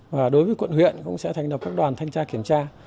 và đối với quận huyện cũng sẽ thành đập các đoàn thanh tra kiểm tra